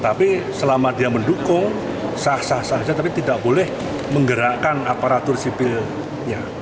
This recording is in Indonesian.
tapi selama dia mendukung sah sah sah tapi tidak boleh menggerakkan aparatur sipilnya